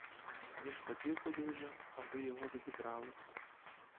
Він хотів би дуже, аби його відібрали.